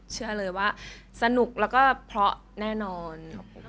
เชื่อเลยว่าสนุกแล้วก็เพราะแน่นอน